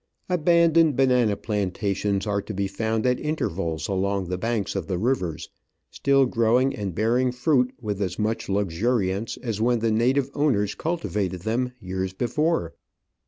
Abandoned banana plantations are to be found at intervals along the banks of the rivers, still growing and bearing fruit with as much luxuriance as when the native owners cultivated them years before.